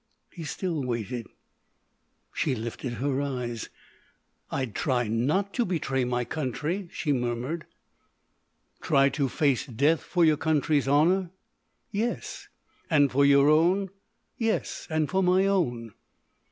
He still waited. She lifted her eyes: "I'd try not to betray my country," she murmured. "Try to face death for your country's honour?" "Yes." "And for your own?" "Yes; and for my own."